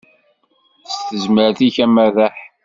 S tezmert-ik amerreḥ.